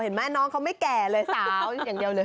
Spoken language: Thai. น้องเขาไม่แก่เลยสาวอย่างเดียวเลย